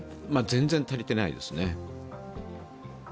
全然足りてないですね。